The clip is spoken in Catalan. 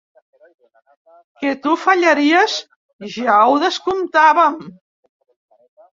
Que tu fallaries, ja ho descomptàvem.